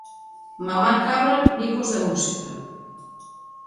Mamá Cabra: Bicos de música.